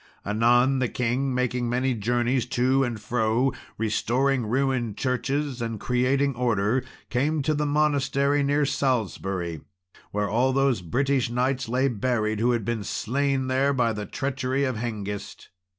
Anon the king, making many journeys to and fro, restoring ruined churches and, creating order, came to the monastery near Salisbury, where all those British knights lay buried who had been slain there by the treachery of Hengist.